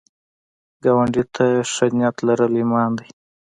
ګاونډي ته ښه نیت لرل ایمان ده